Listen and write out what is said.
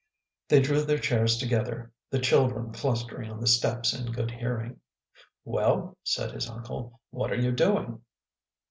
They drew their chairs together, the children clustering on the steps in good hearing. "Well," said his uncle, "what are you doing?"